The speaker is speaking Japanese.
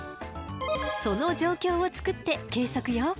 その状況を作って計測よ。